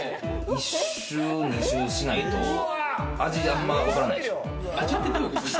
１周、２周しないと味があんまわからないでしょ。